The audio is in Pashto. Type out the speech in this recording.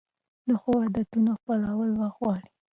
د ښو عادتونو خپلول وخت غواړي.